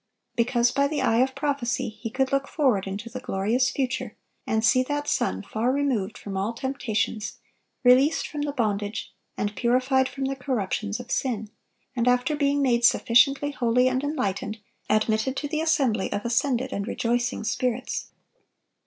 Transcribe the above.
Because by the eye of prophecy he could look forward into the glorious future, and see that son far removed from all temptations, released from the bondage and purified from the corruptions of sin, and after being made sufficiently holy and enlightened, admitted to the assembly of ascended and rejoicing spirits.